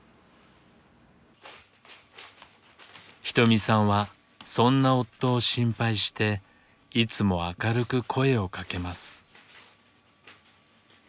ひとみさんはそんな夫を心配していつも明るく声をかけます。